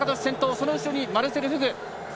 その後ろにマルセル・フグ。